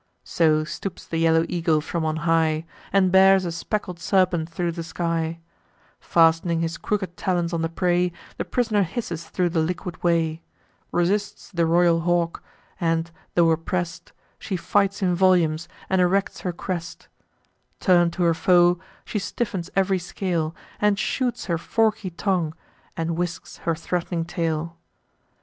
So stoops the yellow eagle from on high, And bears a speckled serpent thro' the sky, Fast'ning his crooked talons on the prey: The pris'ner hisses thro' the liquid way; Resists the royal hawk; and, tho' oppress'd, She fights in volumes, and erects her crest: Turn'd to her foe, she stiffens ev'ry scale, And shoots her forky tongue, and whisks her threat'ning tail.